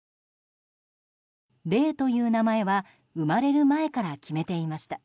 伶という名前は生まれる前から決めていました。